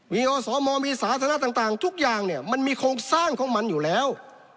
มีอสมมีสาธารณะต่างทุกอย่างเนี่ยมันมีโครงสร้างของมันอยู่แล้ว